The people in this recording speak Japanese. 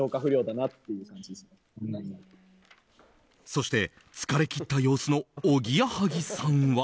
そして疲れ切った様子のおぎやはぎさんは。